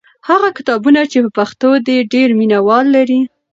هغه کتابونه چې په پښتو دي ډېر مینه وال لري.